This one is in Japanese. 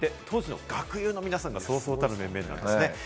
当時の学友の皆さんが、そうそうたる面々なんですね。